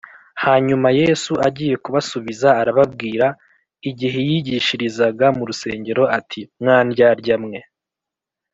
Hanyuma Yesu agiye kubasubiza arababwira igihe yigishirizaga mu rusengero ati mwa ndyandya mwe